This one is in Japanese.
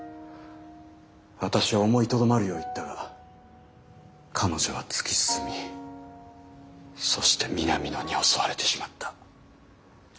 私は思いとどまるよう言ったが彼女は突き進みそして南野に襲われてしまった。